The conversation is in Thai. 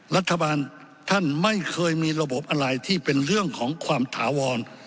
รัฐบาลท่านไม่เคยมีระบบอะไรที่เป็นเรื่องของความถาวร